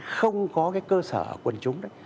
không có cái cơ sở quân chúng